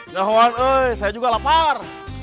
jangan woi saya juga lapar